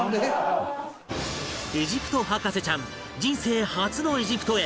エジプト博士ちゃん人生初のエジプトへ